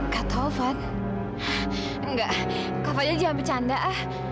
kak taufan nggak kak fadil jangan bercanda ah